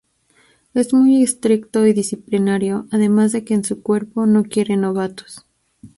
Es muy estricto y disciplinario además de que en su cuerpo no quiere novatos.